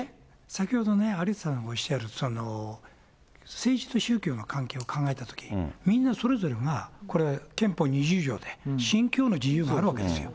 先ほど有田さんがおっしゃる政治と宗教を考えたとき、みんなそれぞれが、これは憲法２０条で信教の自由があるわけですよ。